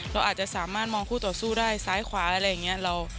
เราอาจจะสามารถมองคู่ต่อสู้ได้ซ้ายขวาอะไรอย่างนี้